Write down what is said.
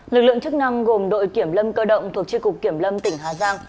lực lượng chức năng gồm đội kiểm lâm cơ động thuộc tri cục kiểm lâm tỉnh hà giang